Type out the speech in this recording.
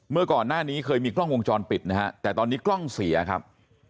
เมื่อก่อนหน้านี้เคยมีกล้องวงจรปิดนะฮะแต่ตอนนี้กล้องเสียครับ